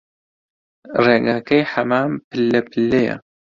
ڕێگاکەی حەمام پللە پللەیە